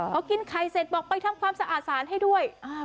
พอกินไข่เสร็จบอกไปทำความสะอาดสารให้ด้วย